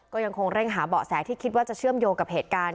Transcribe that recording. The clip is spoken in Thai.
ก็ยังคงเร่งหาเบาะแสที่คิดว่าจะเชื่อมโยงกับเหตุการณ์